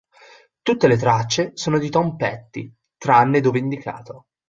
Tutte le tracce sono di Tom Petty tranne dove indicato.